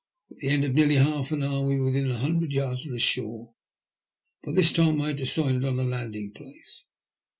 At the end of nearly half an hour we were within a hundred yards of the shore. By this time I had decided on a landing place.